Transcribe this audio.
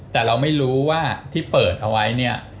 แต่เราไม่รู้ว่าที่เปิดเอาไว้เนี่ย